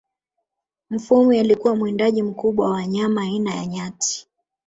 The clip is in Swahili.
Mufwimi alikuwa mwindaji mkubwa wa wanyama aina ya Nyati